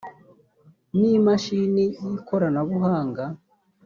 n imashini y ikoranabuhanga